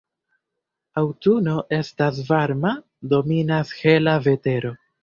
Aŭtuno estas varma, dominas hela vetero.